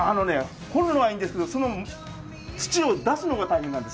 掘るのはいいんですけど、土を出すのが大変なんです。